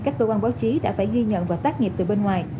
các cơ quan báo chí đã phải ghi nhận và tác nghiệp từ bên ngoài